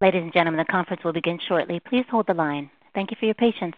Ladies and gentlemen, the conference will begin shortly. Please hold the line. Thank you for your patience.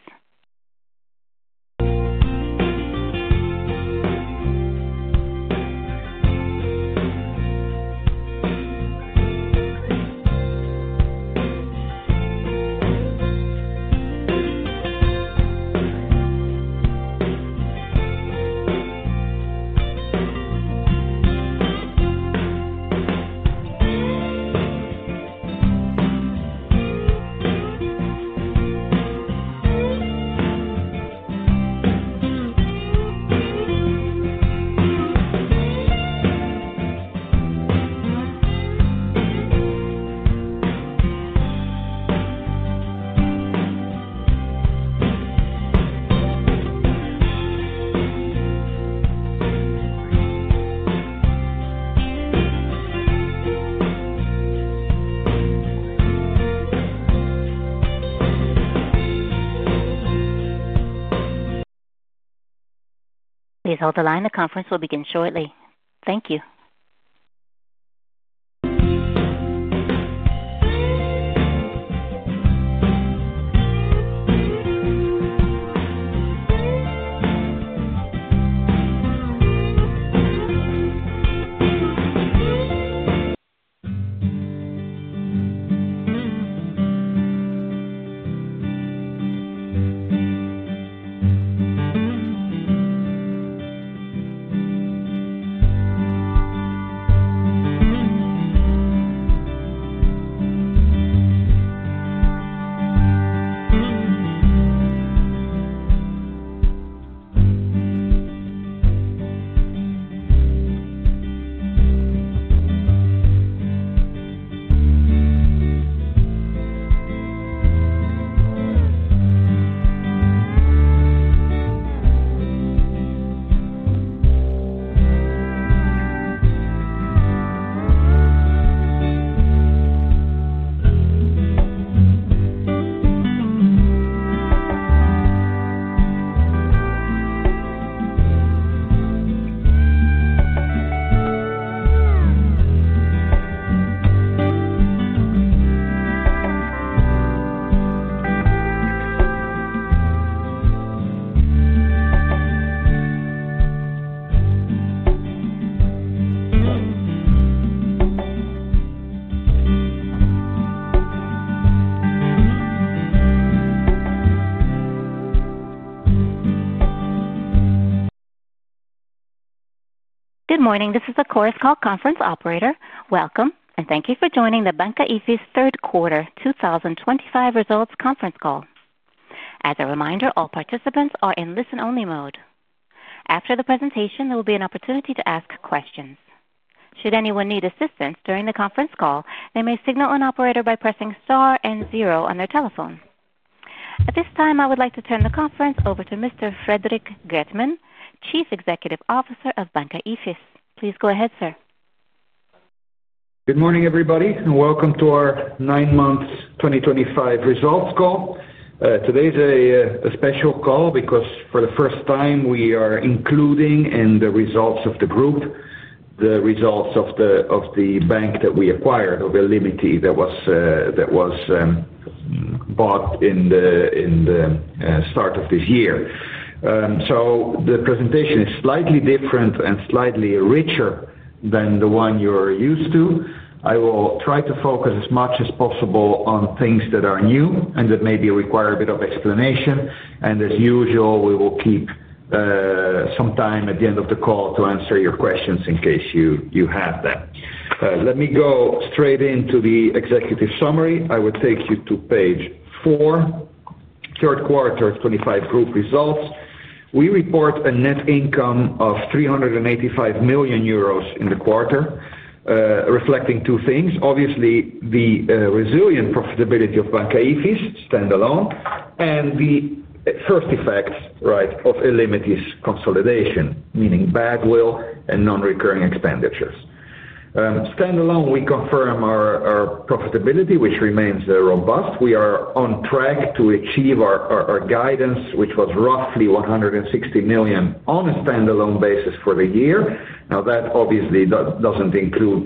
Please hold the line. The conference will begin shortly. Thank you. Good morning. This is the Chorus Call conference operator. Welcome, and thank you for joining the Banca IFIS Third Quarter 2025 Results Conference Call. As a reminder, all participants are in listen-only mode. After the presentation, there will be an opportunity to ask questions. Should anyone need assistance during the conference call, they may signal an operator by pressing star and zero on their telephone. At this time, I would like to turn the conference over to Mr. Frederik Geertman, Chief Executive Officer of Banca IFIS. Please go ahead, sir. Good morning, everybody, and welcome to our nine-month 2025 results call. Today is a special call because, for the first time, we are including in the results of the group the results of the bank that we acquired, of Illimity Bank that was bought at the start of this year. The presentation is slightly different and slightly richer than the one you are used to. I will try to focus as much as possible on things that are new and that maybe require a bit of explanation. As usual, we will keep some time at the end of the call to answer your questions in case you have them. Let me go straight into the executive summary. I will take you to page four, Third Quarter 2025 Group Results. We report a net income of 385 million euros in the quarter, reflecting two things. Obviously, the resilient profitability of Banca IFIS standalone and the first effect, right, of a limited consolidation, meaning Badwill and non-recurring expenditures. Standalone, we confirm our profitability, which remains robust. We are on track to achieve our guidance, which was roughly 160 million on a standalone basis for the year. Now, that obviously does not include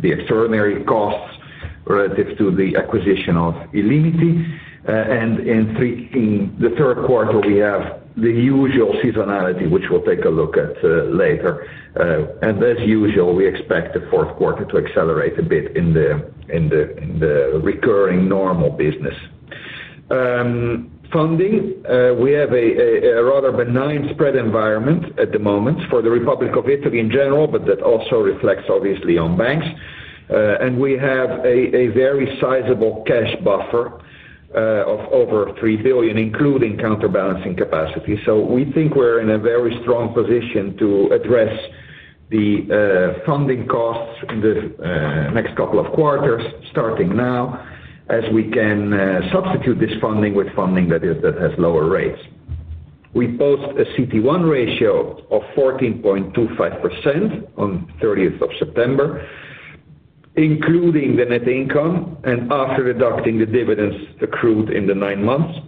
the extraordinary costs relative to the acquisition of Illimity. In the third quarter, we have the usual seasonality, which we will take a look at later. As usual, we expect the fourth quarter to accelerate a bit in the recurring normal business. Funding, we have a rather benign spread environment at the moment for the Republic of Italy in general, but that also reflects, obviously, on banks. We have a very sizable cash buffer of over 3 billion, including counterbalancing capacity. We think we are in a very strong position to address the funding costs in the next couple of quarters, starting now, as we can substitute this funding with funding that has lower rates. We post a CET1 ratio of 14.25% on the 30th of September, including the net income and after deducting the dividends accrued in the nine months.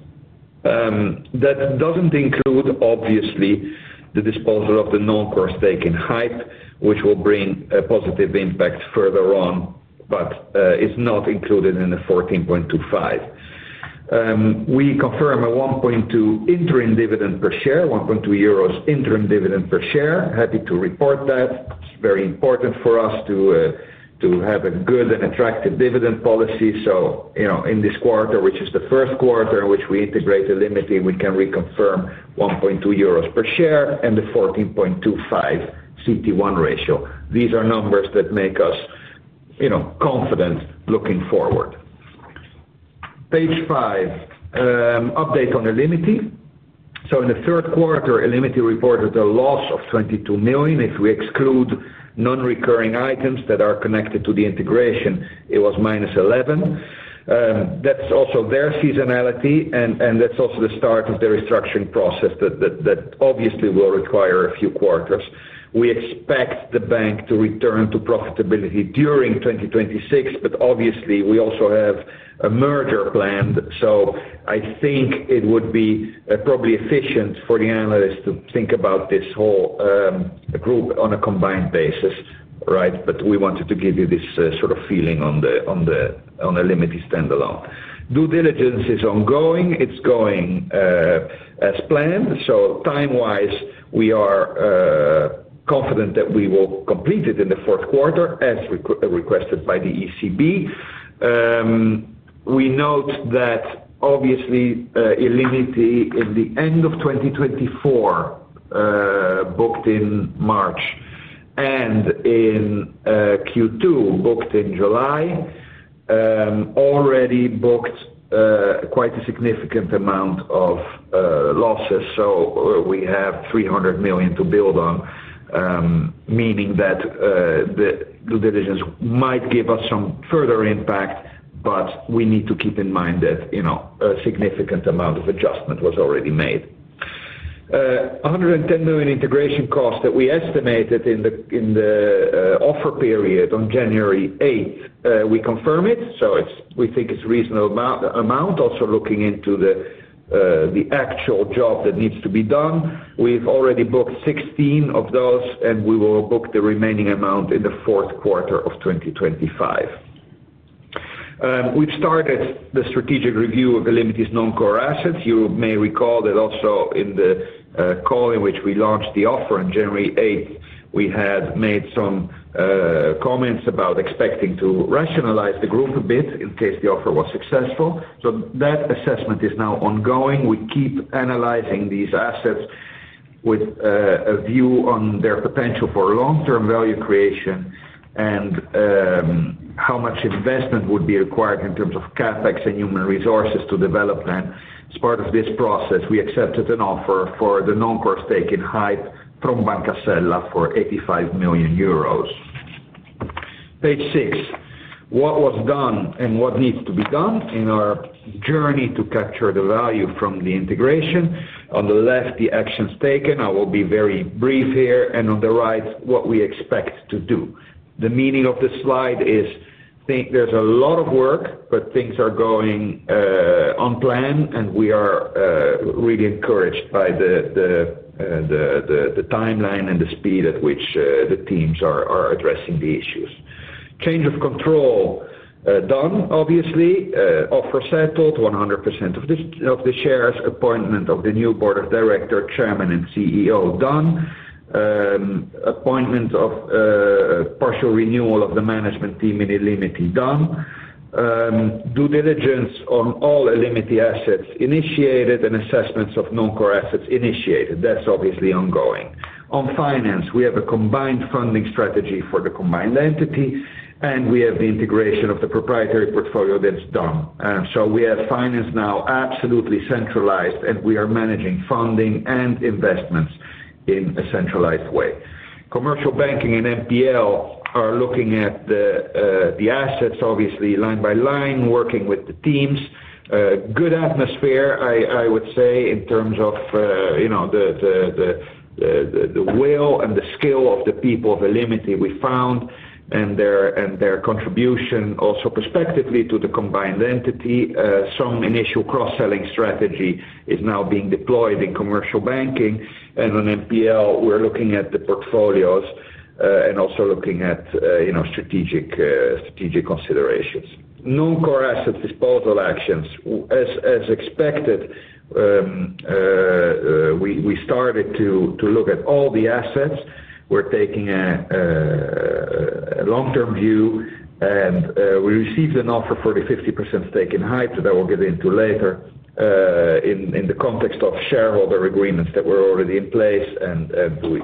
That does not include, obviously, the disposal of the non-core stake in Hype, which will bring a positive impact further on, but is not included in the 14.25%. We confirm a 1.2 interim dividend per share, 1.2 euros interim dividend per share. Happy to report that. It is very important for us to have a good and attractive dividend policy. In this quarter, which is the first quarter in which we integrate Illimity, we can reconfirm 1.2 euros per share and the 14.25% CET1 ratio. These are numbers that make us confident looking forward. Page five, update on Illimity. In the third quarter, Illimity reported a loss of 22 million. If we exclude non-recurring items that are connected to the integration, it was minus 11. That is also their seasonality, and that is also the start of the restructuring process that obviously will require a few quarters. We expect the bank to return to profitability during 2026, but obviously, we also have a merger planned. I think it would be probably efficient for the analysts to think about this whole group on a combined basis, right? We wanted to give you this sort of feeling on the Illimity standalone. Due diligence is ongoing. It is going as planned. Time-wise, we are confident that we will complete it in the fourth quarter, as requested by the ECB. We note that, obviously, Illimity in the end of 2024 booked in March and in Q2 booked in July, already booked quite a significant amount of losses. So we have 300 million to build on, meaning that the due diligence might give us some further impact, but we need to keep in mind that a significant amount of adjustment was already made. 110 million integration cost that we estimated in the offer period on January 8, we confirm it. We think it is a reasonable amount, also looking into the actual job that needs to be done. We have already booked 16 of those, and we will book the remaining amount in the fourth quarter of 2025. We have started the strategic review of Illimity's non-core assets. You may recall that also in the call in which we launched the offer on January 8th, we had made some comments about expecting to rationalize the group a bit in case the offer was successful. That assessment is now ongoing. We keep analyzing these assets with a view on their potential for long-term value creation and how much investment would be required in terms of CapEx and human resources to develop them. As part of this process, we accepted an offer for the non-core stake in Hype from Banca Sella for 85 million euros. Page six, what was done and what needs to be done in our journey to capture the value from the integration. On the left, the actions taken. I will be very brief here. On the right, what we expect to do. The meaning of the slide is there's a lot of work, but things are going on plan, and we are really encouraged by the timeline and the speed at which the teams are addressing the issues. Change of control done, obviously. Offer settled, 100% of the shares. Appointment of the new Board of Director, Chairman, and CEO done. Appointment of partial renewal of the management team in Illimity done. Due diligence on all Illimity assets initiated and assessments of non-core assets initiated. That's obviously ongoing. On finance, we have a combined funding strategy for the combined entity, and we have the integration of the proprietary portfolio that's done. We have finance now absolutely centralized, and we are managing funding and investments in a centralized way. Commercial banking and NPL are looking at the assets, obviously, line by line, working with the teams. Good atmosphere, I would say, in terms of the will and the skill of the people of Illimity we found and their contribution also prospectively to the combined entity. Some initial cross-selling strategy is now being deployed in commercial banking. On NPL, we're looking at the portfolios and also looking at strategic considerations. Non-core asset disposal actions. As expected, we started to look at all the assets. We're taking a long-term view, and we received an offer for the 50% stake in Hype that I will get into later in the context of shareholder agreements that were already in place, and we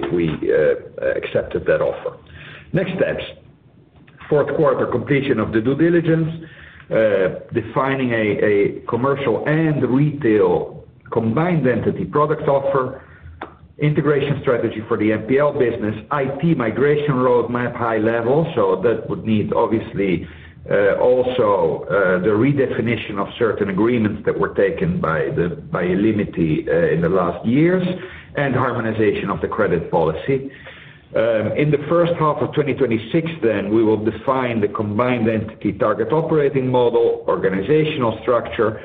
accepted that offer. Next steps, fourth quarter completion of the due diligence, defining a commercial and retail combined entity product offer, integration strategy for the NPL business, IT migration roadmap high level. That would need, obviously, also the redefinition of certain agreements that were taken by Illimity in the last years and harmonization of the credit policy. In the first half of 2026, then, we will define the combined entity target operating model, organizational structure,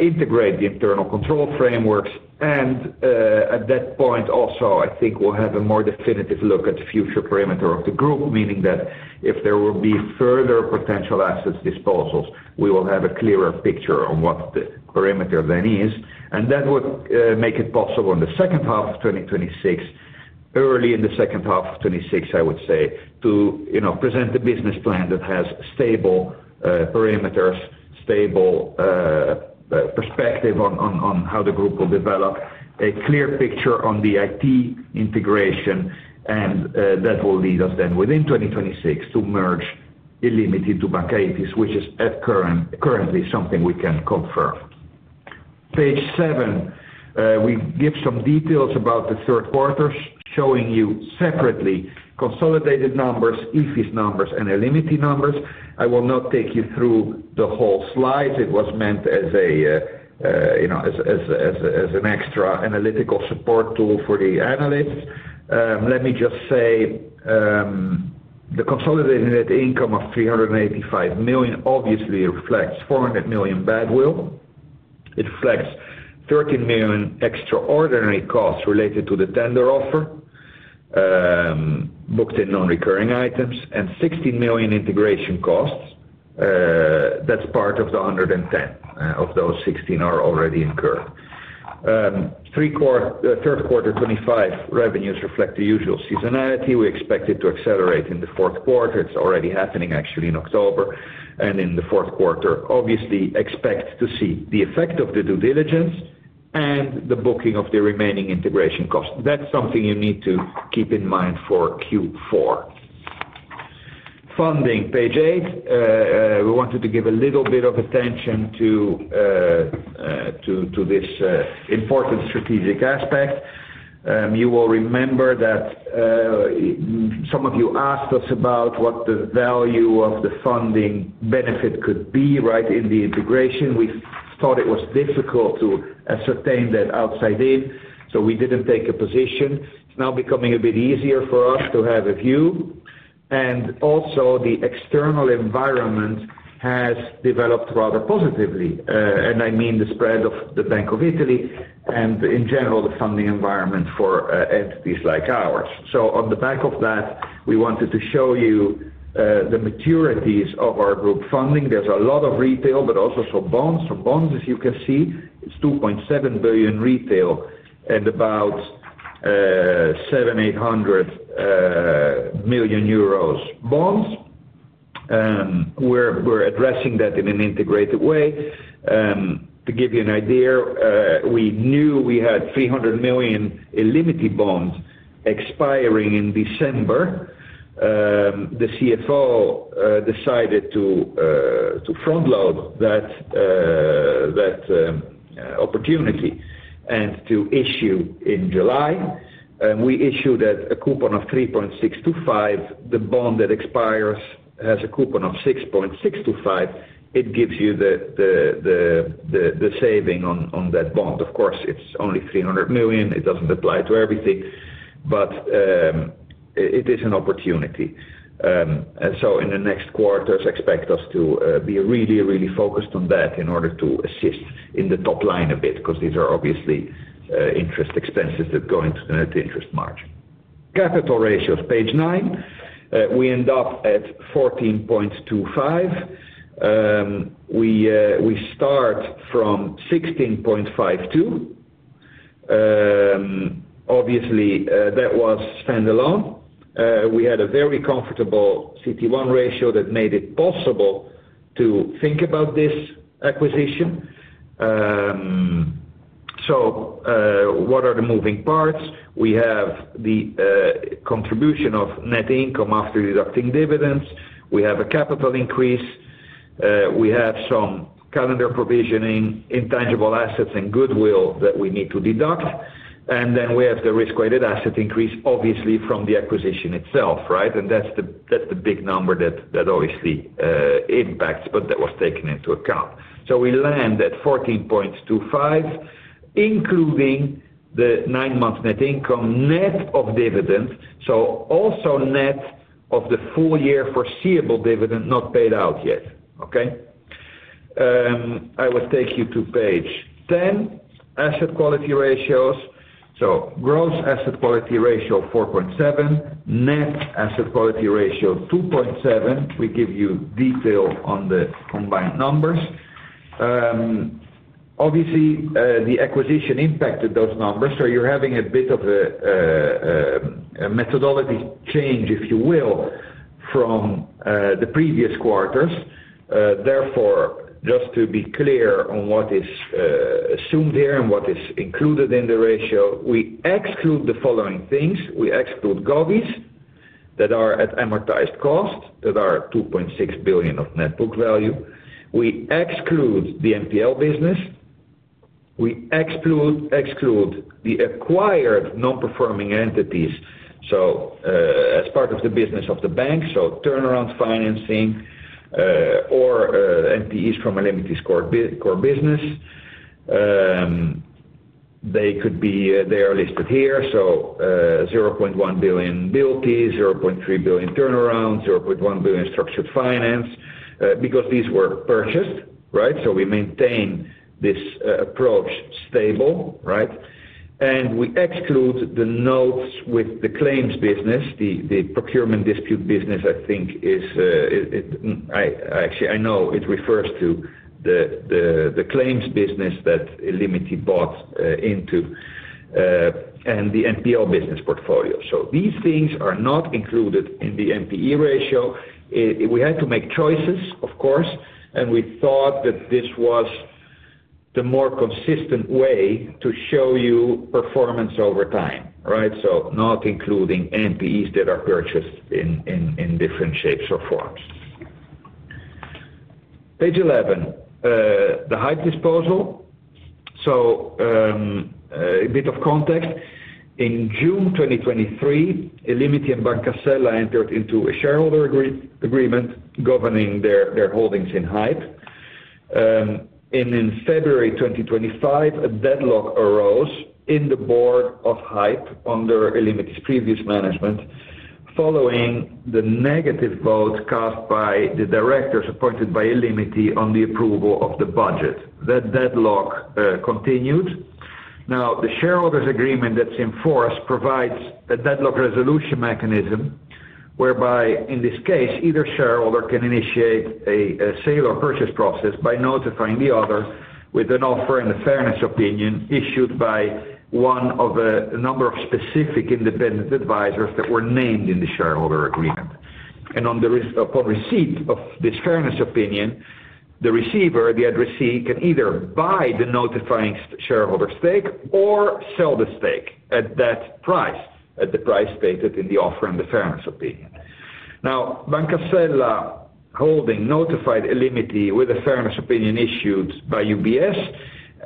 integrate the internal control frameworks. At that point, also, I think we'll have a more definitive look at the future perimeter of the group, meaning that if there will be further potential assets disposals, we will have a clearer picture on what the perimeter then is. That would make it possible in the second half of 2026, early in the second half of 2026, I would say, to present the business plan that has stable perimeters, stable perspective on how the group will develop, a clear picture on the IT integration. That will lead us then, within 2026, to merge Illimity to Banca IFIS, which is currently something we can confirm. Page seven, we give some details about the third quarter, showing you separately consolidated numbers, IFIS numbers, and Illimity numbers. I will not take you through the whole slide. It was meant as an extra analytical support tool for the analysts. Let me just say the consolidated net income of 385 million obviously reflects 400 million Badwill. It reflects 13 million extraordinary costs related to the tender offer, booked in non-recurring items, and 16 million integration costs. That is part of the 110 of those 16 already incurred. Third quarter 2025 revenues reflect the usual seasonality. We expect it to accelerate in the fourth quarter. It is already happening, actually, in October. In the fourth quarter, obviously, expect to see the effect of the due diligence and the booking of the remaining integration costs. That is something you need to keep in mind for Q4. Funding, page eight, we wanted to give a little bit of attention to this important strategic aspect. You will remember that some of you asked us about what the value of the funding benefit could be, right, in the integration. We thought it was difficult to ascertain that outside in, so we did not take a position. It is now becoming a bit easier for us to have a view. Also, the external environment has developed rather positively. I mean the spread of the Bank of Italy and, in general, the funding environment for entities like ours. On the back of that, we wanted to show you the maturities of our group funding. There's a lot of retail, but also some bonds. So bonds, as you can see, it's 2.7 billion retail and about 700 million-800 million euros bonds. We're addressing that in an integrated way. To give you an idea, we knew we had 300 million Illimity bonds expiring in December. The CFO decided to front-load that opportunity and to issue in July. We issued a coupon of 3.625%. The bond that expires has a coupon of 6.625%. It gives you the saving on that bond. Of course, it's only 300 million. It doesn't apply to everything, but it is an opportunity. In the next quarters, expect us to be really, really focused on that in order to assist in the top line a bit because these are obviously interest expenses that go into the net interest margin. Capital ratios, page nine. We end up at 14.25%. We start from 16.52%. Obviously, that was standalone. We had a very comfortable CET1 ratio that made it possible to think about this acquisition. What are the moving parts? We have the contribution of net income after deducting dividends. We have a capital increase. We have some calendar provisioning, intangible assets, and goodwill that we need to deduct. We have the risk-weighted asset increase, obviously, from the acquisition itself, right? That is the big number that obviously impacts, but that was taken into account. We land at 14.25%, including the nine-month net income net of dividends, so also net of the full year foreseeable dividend not paid out yet, okay? I will take you to page 10, asset quality ratios. Gross asset quality ratio 4.7%, net asset quality ratio 2.7%. We give you detail on the combined numbers. Obviously, the acquisition impacted those numbers. You're having a bit of a methodology change, if you will, from the previous quarters. Therefore, just to be clear on what is assumed here and what is included in the ratio, we exclude the following things. We exclude GOVIS that are at amortized cost, that are 2.6 billion of net book value. We exclude the NPL business. We exclude the acquired non-performing entities, so as part of the business of the bank, so turnaround financing or entities from Illimity's core business. They are listed here. So 0.1 billion built-in, 0.3 billion turnaround, 0.1 billion structured finance because these were purchased, right? We maintain this approach stable, right? We exclude the notes with the claims business, the procurement dispute business, I think, is actually, I know it refers to the claims business that Illimity bought into and the NPL business portfolio. These things are not included in the MPE ratio. We had to make choices, of course, and we thought that this was the more consistent way to show you performance over time, right? Not including MPEs that are purchased in different shapes or forms. Page 11, the Hype disposal. A bit of context. In June 2023, Illimity and Banca Sella entered into a shareholder agreement governing their holdings in Hype. In February 2025, a deadlock arose in the board of Hype under Illimity's previous management following the negative vote cast by the directors appointed by Illimity on the approval of the budget. That deadlock continued. Now, the shareholders' agreement that's enforced provides a deadlock resolution mechanism whereby, in this case, either shareholder can initiate a sale or purchase process by notifying the other with an offer and a fairness opinion issued by one of a number of specific independent advisors that were named in the shareholder agreement. Upon receipt of this fairness opinion, the receiver, the addressee, can either buy the notifying shareholder stake or sell the stake at that price, at the price stated in the offer and the fairness opinion. Now, Banca Sella holding notified Illimity with a fairness opinion issued by UBS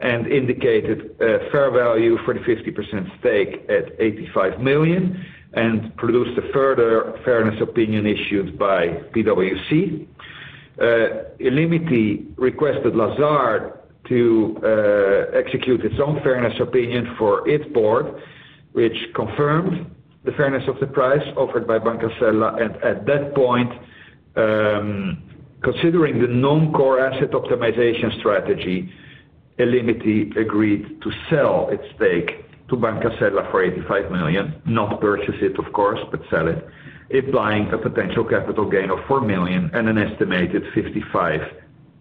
and indicated fair value for the 50% stake at 85 million and produced a further fairness opinion issued by PwC. Illimity requested Lazard to execute its own fairness opinion for its board, which confirmed the fairness of the price offered by Banca Sella. At that point, considering the non-core asset optimization strategy, Illimity agreed to sell its stake to Banca Sella for 85 million, not purchase it, of course, but sell it, implying a potential capital gain of 4 million and an estimated 55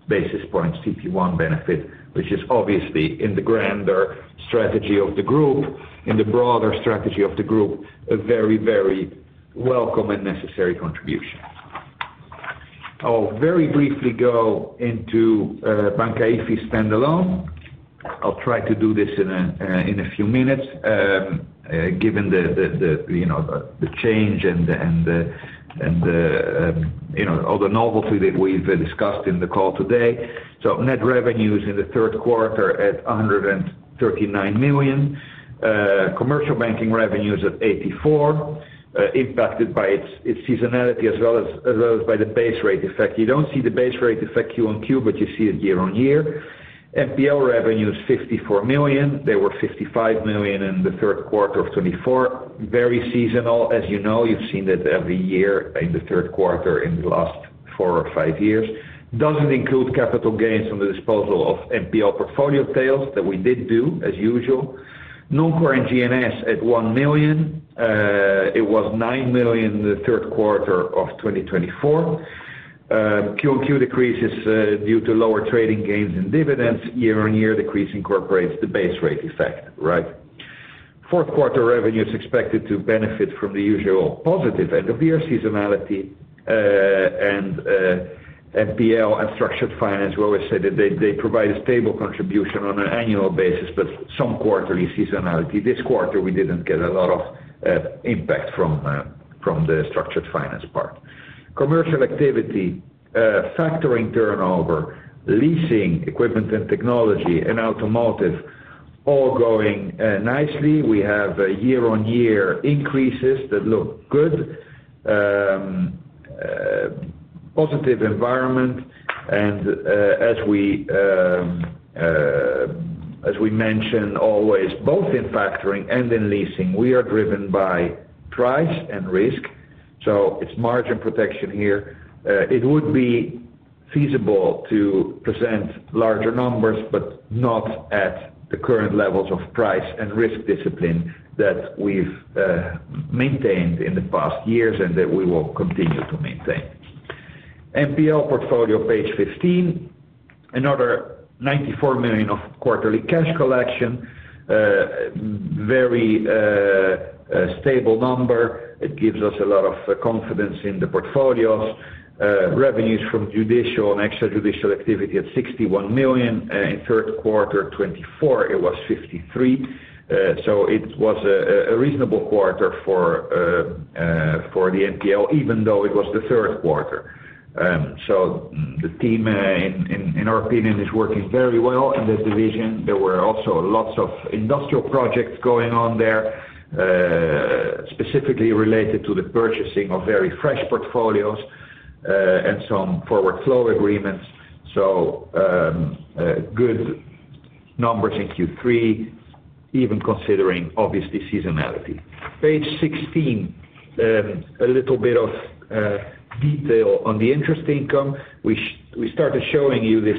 basis points CET1 benefit, which is obviously in the grander strategy of the group, in the broader strategy of the group, a very, very welcome and necessary contribution. I'll very briefly go into Banca IFIS standalone. I'll try to do this in a few minutes given the change and all the novelty that we've discussed in the call today. Net revenues in the third quarter at 139 million. Commercial banking revenues at 84 million, impacted by its seasonality as well as by the base rate effect. You do not see the base rate effect Q on Q, but you see it year-on-year. NPL revenues, 54 million. They were 55 million in the third quarter of 2024. Very seasonal, as you know. You have seen that every year in the third quarter in the last four or five years. Does not include capital gains on the disposal of NPL portfolio sales that we did do, as usual. Non-core and GNS at 1 million. It was 9 million in the third quarter of 2024. Q on Q decreases due to lower trading gains in dividends. Year-on-year, decrease incorporates the base rate effect, right? Fourth quarter revenues expected to benefit from the usual positive end-of-year seasonality. In NPL and structured finance, we always say that they provide a stable contribution on an annual basis, but some quarterly seasonality. This quarter, we did not get a lot of impact from the structured finance part. Commercial activity, factoring turnover, leasing, equipment and technology, and automotive all going nicely. We have year-on-year increases that look good. Positive environment. As we mentioned always, both in factoring and in leasing, we are driven by price and risk. It is margin protection here. It would be feasible to present larger numbers, but not at the current levels of price and risk discipline that we have maintained in the past years and that we will continue to maintain. NPL portfolio, page 15. Another 94 million of quarterly cash collection. Very stable number. It gives us a lot of confidence in the portfolios. Revenues from judicial and extrajudicial activity at 61 million. In third quarter 2024, it was 53 million. It was a reasonable quarter for the NPL, even though it was the third quarter. The team, in our opinion, is working very well in that division. There were also lots of industrial projects going on there, specifically related to the purchasing of very fresh portfolios and some forward flow agreements. Good numbers in Q3, even considering, obviously, seasonality. Page 16, a little bit of detail on the interest income. We started showing you this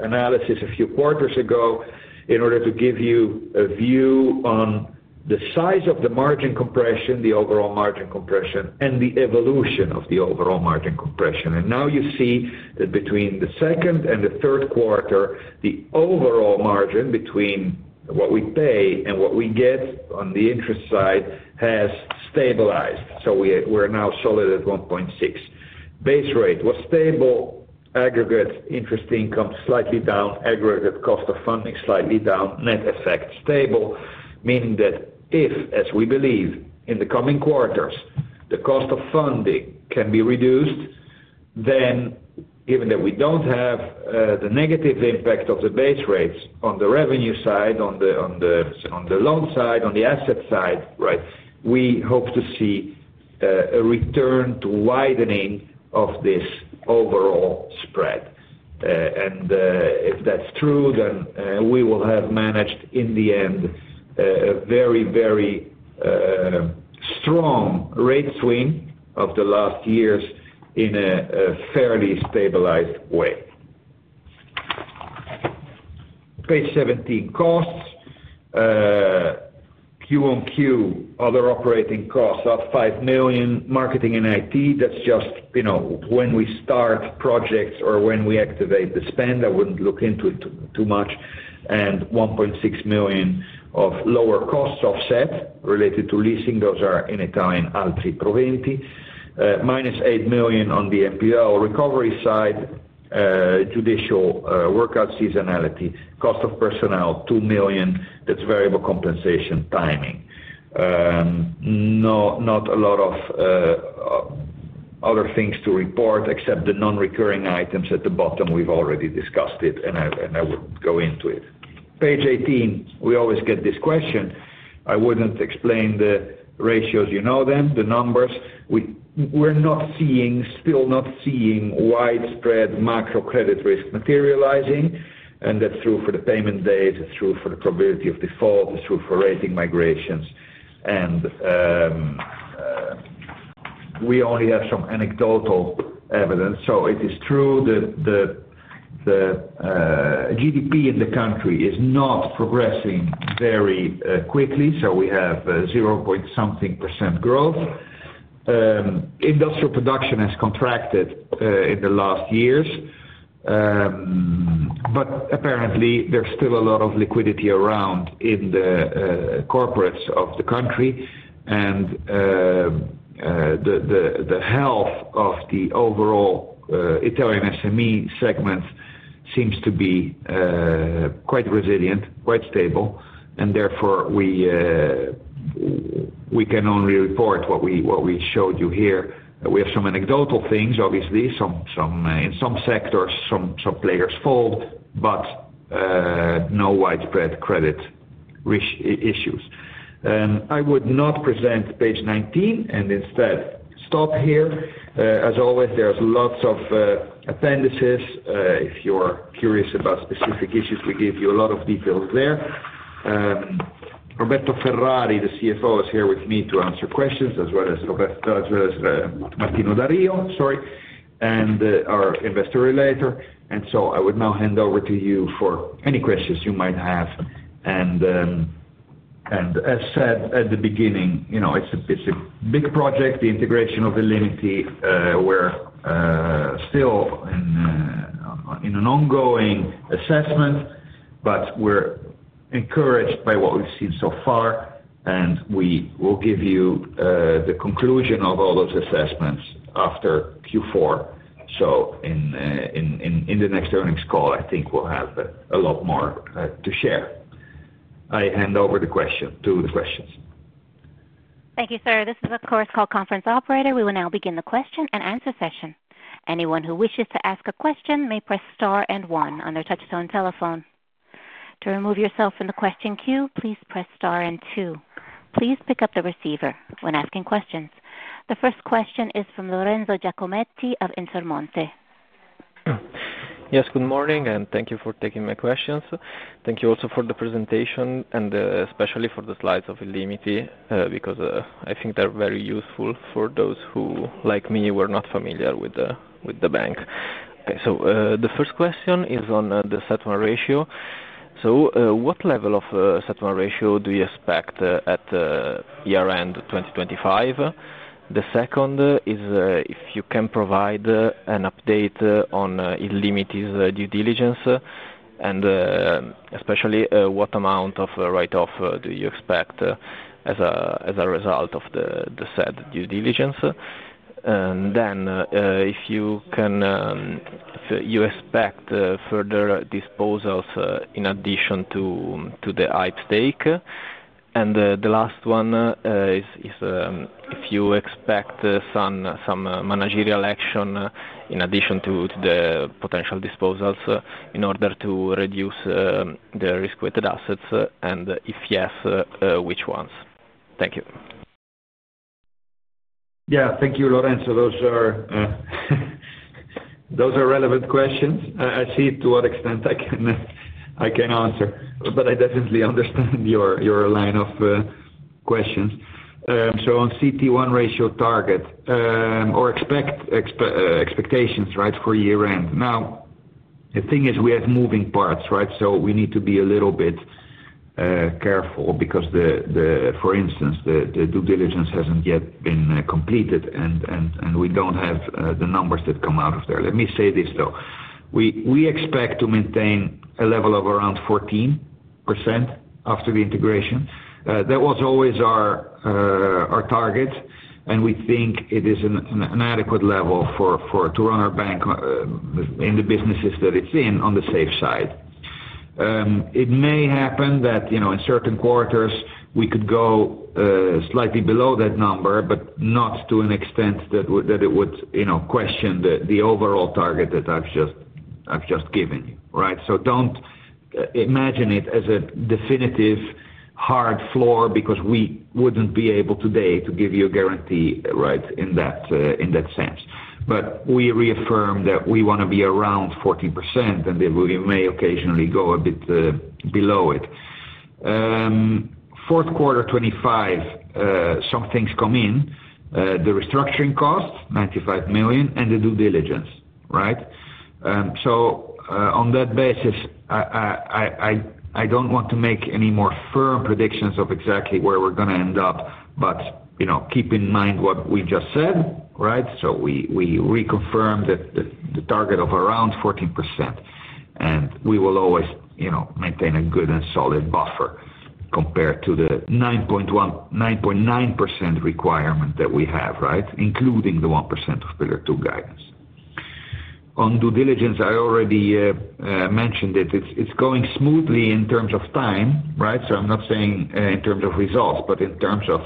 analysis a few quarters ago in order to give you a view on the size of the margin compression, the overall margin compression, and the evolution of the overall margin compression. Now you see that between the second and the third quarter, the overall margin between what we pay and what we get on the interest side has stabilized. We are now solid at 1.6. Base rate was stable. Aggregate interest income slightly down. Aggregate cost of funding slightly down. Net effect stable, meaning that if, as we believe, in the coming quarters, the cost of funding can be reduced, then given that we do not have the negative impact of the base rates on the revenue side, on the loan side, on the asset side, right, we hope to see a return to widening of this overall spread. If that is true, we will have managed, in the end, a very, very strong rate swing of the last years in a fairly stabilized way. Page 17, costs. Quarter on quarter, other operating costs of 5 million. Marketing and IT, that is just when we start projects or when we activate the spend. I would not look into it too much. 1.6 million of lower costs offset related to leasing. Those are in Italian altri provinti. Minus 8 million on the NPL recovery side. Judicial work-out seasonality. Cost of personnel, 2 million. That's variable compensation timing. Not a lot of other things to report except the non-recurring items at the bottom. We've already discussed it, and I wouldn't go into it. Page 18, we always get this question. I wouldn't explain the ratios. You know them, the numbers. We're still not seeing widespread macro credit risk materializing. That's true for the payment days. It's true for the probability of default. It's true for rating migrations. We only have some anecdotal evidence. It is true that the GDP in the country is not progressing very quickly. We have 0.something % growth. Industrial production has contracted in the last years. Apparently, there's still a lot of liquidity around in the corporates of the country. The health of the overall Italian SME segment seems to be quite resilient, quite stable. Therefore, we can only report what we showed you here. We have some anecdotal things, obviously. In some sectors, some players fold, but no widespread credit issues. I would not present page 19 and instead stop here. As always, there are lots of appendices. If you are curious about specific issues, we give you a lot of details there. Roberto Ferrari, the CFO, is here with me to answer questions, as well as Martino Da Rio, sorry, and our investor relator. I would now hand over to you for any questions you might have. As said at the beginning, it is a big project, the integration of Illimity. We are still in an ongoing assessment, but we are encouraged by what we have seen so far. We will give you the conclusion of all those assessments after Q4. In the next earnings call, I think we'll have a lot more to share. I hand over the question to the questions. Thank you, sir. This is a Chorus Call conference operator. We will now begin the question and answer session. Anyone who wishes to ask a question may press star and one on their touchstone telephone. To remove yourself from the question queue, please press star and two. Please pick up the receiver when asking questions. The first question is from Lorenzo Giacometti of Intermonte. Yes, good morning, and thank you for taking my questions. Thank you also for the presentation and especially for the slides of Illimity because I think they're very useful for those who, like me, were not familiar with the bank. Okay, the first question is on the settlement ratio. What level of settlement ratio do you expect at year-end 2025? The second is if you can provide an update on Illimity's due diligence and especially what amount of write-off do you expect as a result of the said due diligence. If you expect further disposals in addition to the Hype stake. The last one is if you expect some managerial action in addition to the potential disposals in order to reduce the risk-weighted assets. If yes, which ones? Thank you. Yeah, thank you, Lorenzo. Those are relevant questions. I see to what extent I can answer, but I definitely understand your line of questions. On CET1 ratio target or expectations, right, for year-end. The thing is we have moving parts, right? We need to be a little bit careful because, for instance, the due diligence hasn't yet been completed and we don't have the numbers that come out of there. Let me say this though. We expect to maintain a level of around 14% after the integration. That was always our target, and we think it is an adequate level to run our bank in the businesses that it is in on the safe side. It may happen that in certain quarters we could go slightly below that number, but not to an extent that it would question the overall target that I have just given you, right? Do not imagine it as a definitive hard floor because we would not be able today to give you a guarantee, right, in that sense. But we reaffirm that we want to be around 14% and that we may occasionally go a bit below it. Fourth quarter 2025, some things come in. The restructuring cost, 95 million, and the due diligence, right? On that basis, I do not want to make any more firm predictions of exactly where we are going to end up, but keep in mind what we just said, right? We reconfirmed the target of around 14%. We will always maintain a good and solid buffer compared to the 9.9% requirement that we have, right, including the 1% of Pillar Two Guidance. On due diligence, I already mentioned that it is going smoothly in terms of time, right? I am not saying in terms of results, but in terms of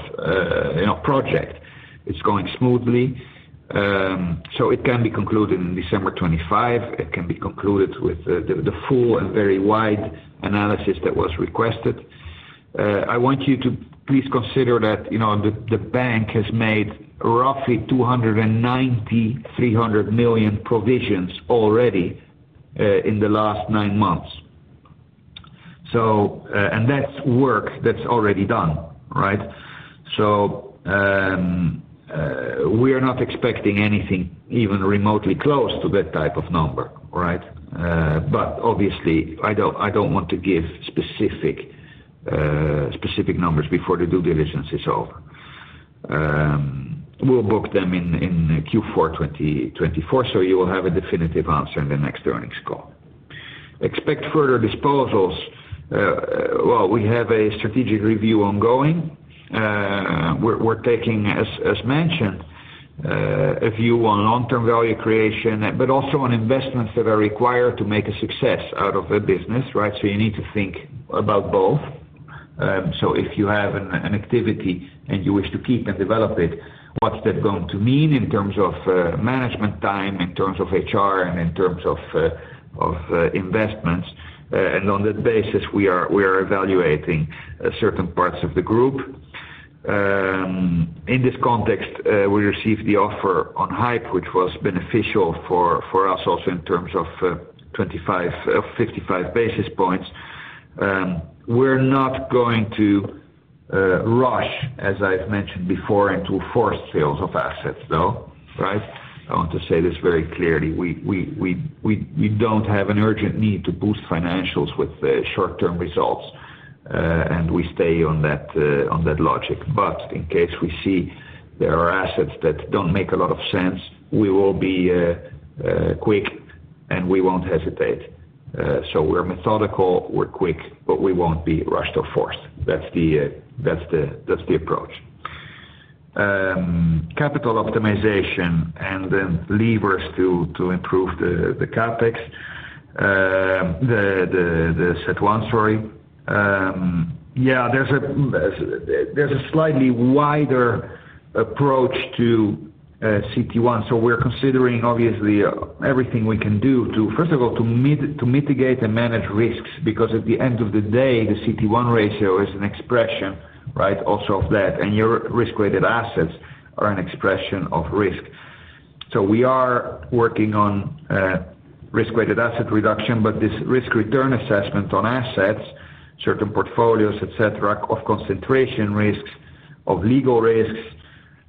project. It is going smoothly. It can be concluded in December 2025. It can be concluded with the full and very wide analysis that was requested. I want you to please consider that the bank has made roughly 290.3 million provisions already in the last nine months. That is work that is already done, right? We are not expecting anything even remotely close to that type of number, right? Obviously, I do not want to give specific numbers before the due diligence is over. We will book them in Q4 2024, so you will have a definitive answer in the next earnings call. Expect further disposals. We have a strategic review ongoing. We are taking, as mentioned, a view on long-term value creation, but also on investments that are required to make a success out of a business, right? You need to think about both. If you have an activity and you wish to keep and develop it, what is that going to mean in terms of management time, in terms of HR, and in terms of investments? On that basis, we are evaluating certain parts of the group. In this context, we received the offer on Hype, which was beneficial for us also in terms of 55 basis points. We're not going to rush, as I've mentioned before, into forced sales of assets though, right? I want to say this very clearly. We don't have an urgent need to boost financials with short-term results, and we stay on that logic. In case we see there are assets that don't make a lot of sense, we will be quick and we won't hesitate. We are methodical, we are quick, but we won't be rushed or forced. That's the approach. Capital optimization and then levers to improve the CapEx, the CET1, sorry. Yeah, there's a slightly wider approach to CET1. We're considering, obviously, everything we can do, first of all, to mitigate and manage risks because at the end of the day, the CET1 ratio is an expression, right, also of that. Your risk-weighted assets are an expression of risk. We are working on risk-weighted asset reduction, but this risk-return assessment on assets, certain portfolios, etc., of concentration risks, of legal risks,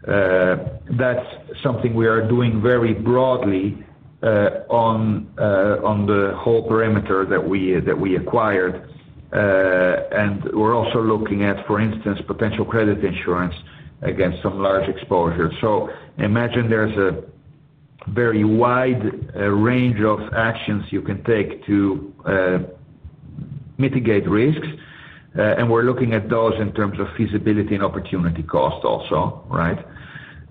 that's something we are doing very broadly on the whole perimeter that we acquired. We're also looking at, for instance, potential credit insurance against some large exposures. Imagine there's a very wide range of actions you can take to mitigate risks. We're looking at those in terms of feasibility and opportunity cost also, right?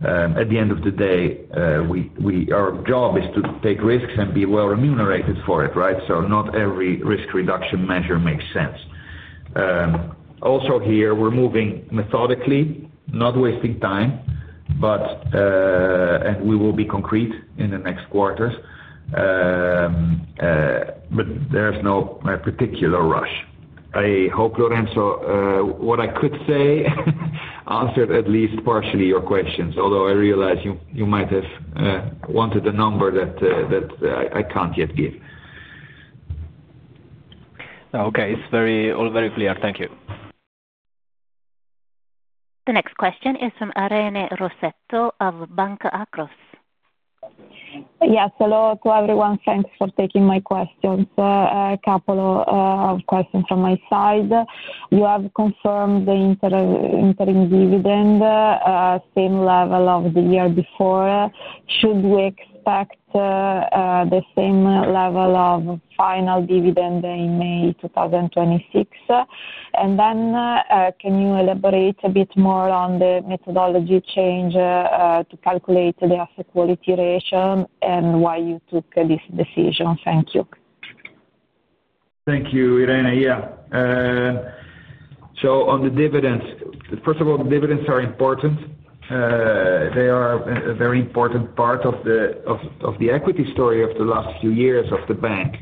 At the end of the day, our job is to take risks and be well remunerated for it, right? Not every risk-reduction measure makes sense. Also here, we're moving methodically, not wasting time, and we will be concrete in the next quarters. There is no particular rush. I hope, Lorenzo, what I could say answered at least partially your questions, although I realize you might have wanted a number that I can't yet give. Okay, it's all very clear. Thank you. The next question is from Irene Rossetto of Banca Across. Yes, hello to everyone. Thanks for taking my questions. A couple of questions from my side. You have confirmed the interim dividend, same level of the year before. Should we expect the same level of final dividend in May 2026? Can you elaborate a bit more on the methodology change to calculate the asset quality ratio and why you took this decision? Thank you. Thank you, Irene. Yeah. On the dividends, first of all, dividends are important. They are a very important part of the equity story of the last few years of the bank.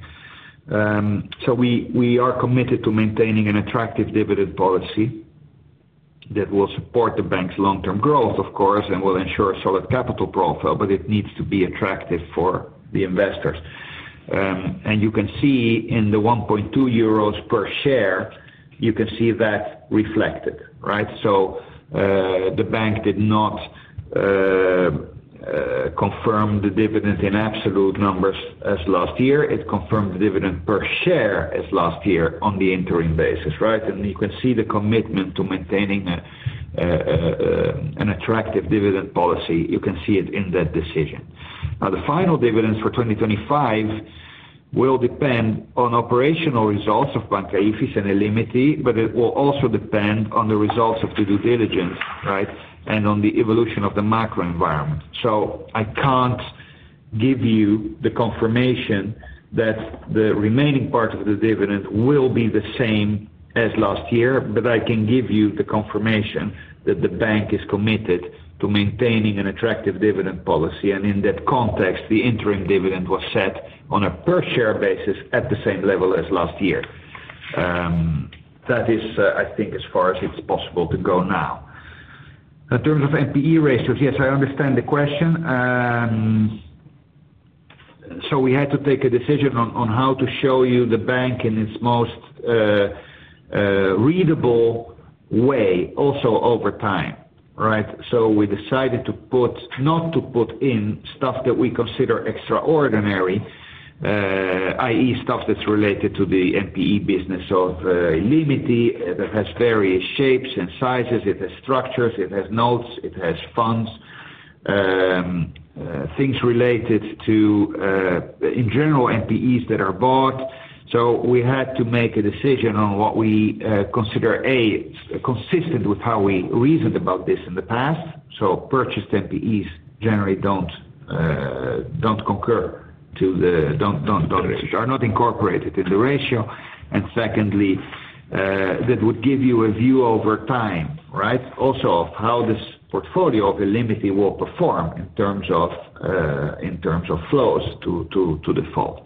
We are committed to maintaining an attractive dividend policy that will support the bank's long-term growth, of course, and will ensure a solid capital profile, but it needs to be attractive for the investors. You can see in the 1.2 euros per share, you can see that reflected, right? The bank did not confirm the dividend in absolute numbers as last year. It confirmed the dividend per share as last year on the interim basis, right? You can see the commitment to maintaining an attractive dividend policy. You can see it in that decision. Now, the final dividends for 2025 will depend on operational results of Banca IFIS and Illimity, but it will also depend on the results of the due diligence, right, and on the evolution of the macro environment. I can't give you the confirmation that the remaining part of the dividend will be the same as last year, but I can give you the confirmation that the bank is committed to maintaining an attractive dividend policy. In that context, the interim dividend was set on a per-share basis at the same level as last year. That is, I think, as far as it's possible to go now. In terms of NPE ratios, yes, I understand the question. We had to take a decision on how to show you the bank in its most readable way, also over time, right? We decided to not to put in stuff that we consider extraordinary, i.e., stuff that's related to the NPE business of Illimity that has various shapes and sizes. It has structures, it has notes, it has funds, things related to, in general, NPEs that are bought. We had to make a decision on what we consider, A, consistent with how we reasoned about this in the past. Purchased NPEs generally do not concur to the, are not incorporated in the ratio. Secondly, that would give you a view over time, right, also of how this portfolio of Illimity will perform in terms of flows to default.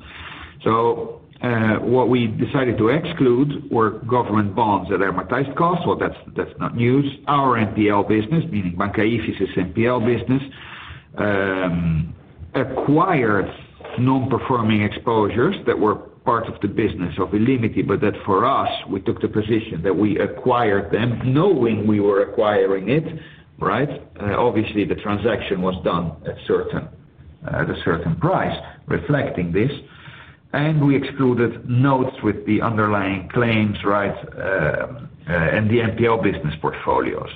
What we decided to exclude were government bonds at amortized cost. That is not news. Our NPL business, meaning Banca IFIS's NPL business, acquired non-performing exposures that were part of the business of Illimity, but that for us, we took the position that we acquired them knowing we were acquiring it, right? Obviously, the transaction was done at a certain price reflecting this. We excluded notes with the underlying claims, right, and the NPL business portfolios.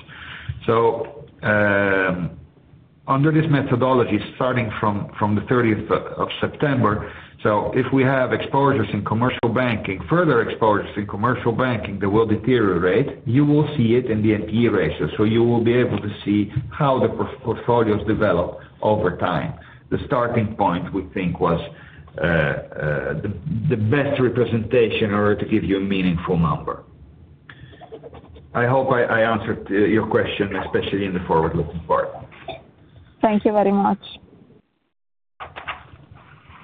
Under this methodology, starting from the 30th of September, if we have exposures in commercial banking, further exposures in commercial banking that will deteriorate, you will see it in the NPE ratio. You will be able to see how the portfolios develop over time. The starting point, we think, was the best representation in order to give you a meaningful number. I hope I answered your question, especially in the forward-looking part. Thank you very much.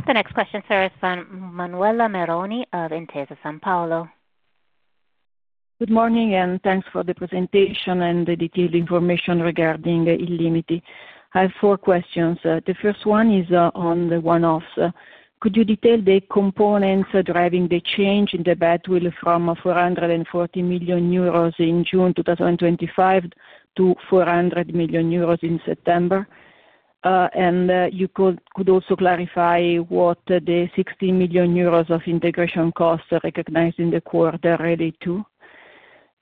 The next question, sir, is from Manuela Meroni of Intesa Sanpaolo. Good morning, and thanks for the presentation and the detailed information regarding Illimity. I have four questions. The first one is on the one-offs. Could you detail the components driving the change in the Badwill from 440 million euros in June 2025 to 400 million euros in September? Could you also clarify what the 60 million euros of integration costs recognized in the quarter relate to?